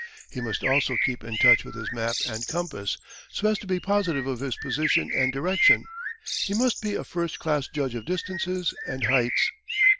He must also keep in touch with his map and compass, so as to be positive of his position and direction. He must be a first class judge of distances and heights.